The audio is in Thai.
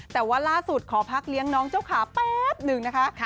แต่ว่าล่าสุดขอพักเลี้ยงน้องเจ้าขาแป๊บหนึ่งนะคะ